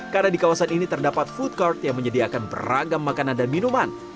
karena di kawasan ini terdapat food court yang menyediakan beragam makanan dan minuman